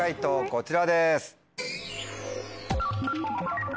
こちらです。